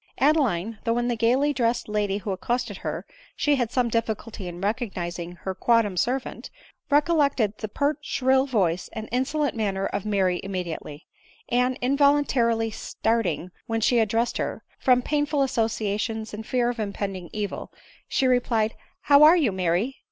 Adeline, though in the gaily dressed lady who accosted her she had some difficulty in recognising her quondam servant, recollected the pert shrill voice and insolent manner of Mary immediately ; and involuntarily starting when she addressed her, from painful associations and A i A i \» ADELINE MOWBRAY. igg fear of impending evil, she replied, " How are you, Mary